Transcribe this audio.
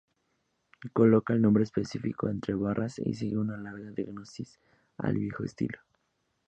Coloca el nombre específico entre barras y sigue una larga diagnosis al viejo estilo.